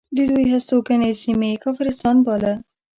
د دوی هستوګنې سیمه یې کافرستان باله.